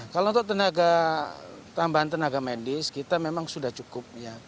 kalau untuk tenaga tambahan tenaga medis kita memang sudah cukup